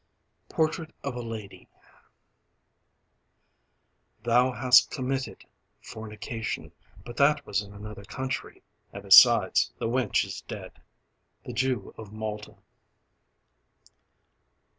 Portrait of a Lady Thou hast committed Fornication: but that was in another country And besides, the wench is dead. The Jew of Malta.